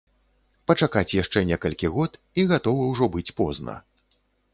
Пачакаць яшчэ некалькі год, і гатова ўжо быць позна.